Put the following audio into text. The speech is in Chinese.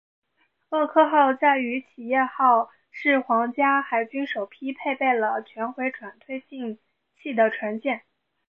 厄科号与企业号是皇家海军首批配备了全回转推进器的船舰。